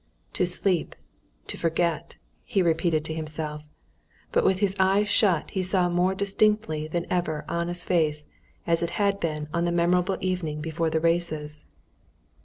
"To sleep! To forget!" he repeated to himself. But with his eyes shut he saw more distinctly than ever Anna's face as it had been on the memorable evening before the races.